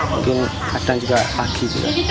mungkin kadang juga pagi